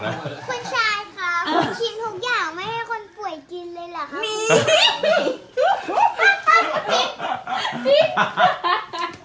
มี